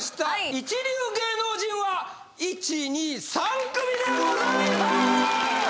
一流芸能人は１２３組でございまーす！